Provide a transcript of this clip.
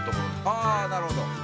あなるほど。